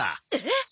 えっ？